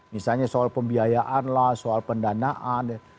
misalnya soal pembiayaan lah soal pendanaan